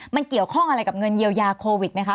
มันเกี่ยวข้องอะไรกับเงินเยียวยาโควิดไหมคะ